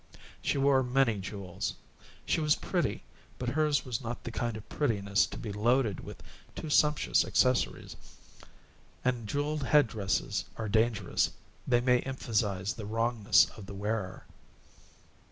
She wore many jewels. She was pretty, but hers was not the kind of prettiness to be loaded with too sumptuous accessories, and jeweled head dresses are dangerous they may emphasize the wrongness of the wearer.